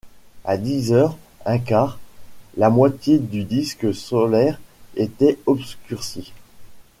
À dix heures un quart, la moitié du disque solaire était obscurcie.